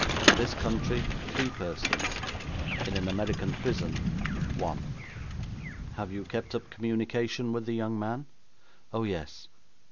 'In this country, three persons. In an American prison, one.' 'Have you kept up communication with the young man?' 'Oh, yes.'